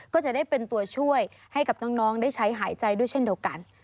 ก็จะได้เป็นตัวช่วยให้กับน้องได้ใช้หายใจด้วยเช่นเดียวกัน